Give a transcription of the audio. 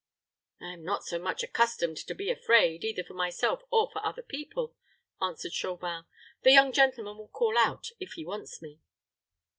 "I am not so much accustomed to be afraid, either for myself or for other people," answered Chauvin. "The young gentleman will call out if he wants me."